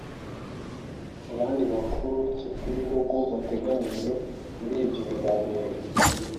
Mu bandi bakuru b’ibihugu bateganijwe muri ibyo biganiro